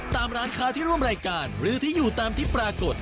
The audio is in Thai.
ตามร้านค้าที่ร่วมรายการหรือที่อยู่ตามที่ปรากฏ